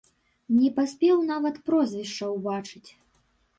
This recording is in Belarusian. Не паспеў нават прозвішча ўбачыць.